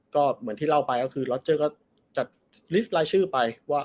ก็เหมือนที่เล่าไปก็คือล็อเจอร์ก็จัดลิสต์รายชื่อไปว่า